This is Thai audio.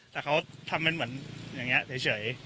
แต่เขาทำเป็นเหมือนอย่างนี้เฉย